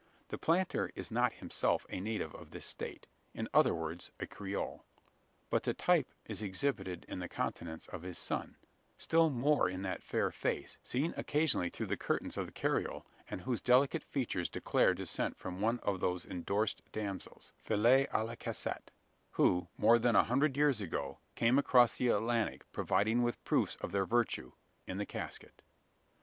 The planter is not himself a native of this State in other words a Creole; but the type is exhibited in the countenance of his son still more in that fair face, seen occasionally through the curtains of the carriole, and whose delicate features declare descent from one of those endorsed damsels filles a la casette who, more than a hundred years ago, came across the Atlantic provided with proofs of their virtue in the casket!